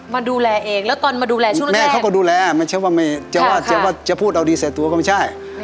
มาดูแลเองแล้วตอนมาดูแลช่วยแม่เขาก็ดูแลไม่ใช่ว่าไม่จะว่าจะพูดเอาดีใส่ตัวก็ไม่ใช่